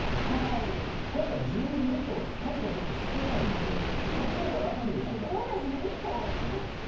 今回、１２と数が少ないので今日はラッキーですよ。